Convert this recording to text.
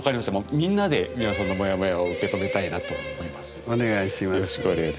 みんなで美輪さんのモヤモヤを受け止めたいなと思います。